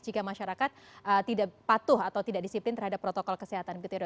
jika masyarakat tidak patuh atau tidak disiplin terhadap protokol kesehatan